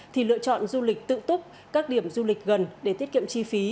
thì lựa chọn du lịch tự túc các điểm du lịch gần để tiết kiệm chi phí